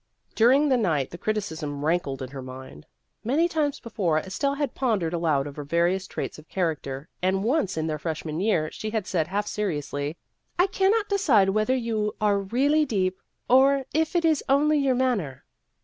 During the night the criticism rankled in her mind. Many times before, Estelle had pondered aloud over various traits of character, and once in their freshman year she had said, half seriously, " I cannot decide whether you are really deep, or if it is only your manner."